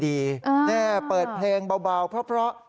นี่เปิดเพลงเบาเพราะ